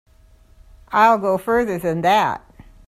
I'll go further than that.